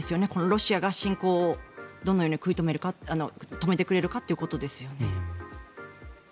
ロシアが侵攻をどのように止めてくれるかということですよね。